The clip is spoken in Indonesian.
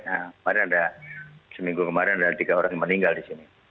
nah kemarin ada seminggu kemarin ada tiga orang yang meninggal di sini